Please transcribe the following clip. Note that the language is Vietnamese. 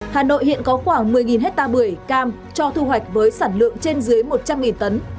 hà nội hiện có khoảng một mươi hectare bưởi cam cho thu hoạch với sản lượng trên dưới một trăm linh tấn